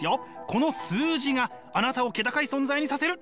この数字があなたを気高い存在にさせる！